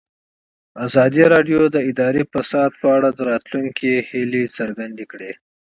ازادي راډیو د اداري فساد په اړه د راتلونکي هیلې څرګندې کړې.